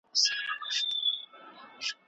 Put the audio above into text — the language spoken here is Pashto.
په وفا به مو سوګند وي یو د بل په مینه ژوند وي